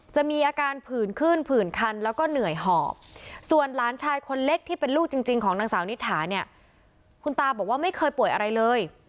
จะมีอาการผื่นขึ้นผื่นคันแล้วก็เหนื่อยหอบส่วนหลานชายคนเล็กที่เป็นลูกจริงของนางสาวนิถาเนี่ยคุณตาบอกว่าไม่เคยป่วยอะไรเลย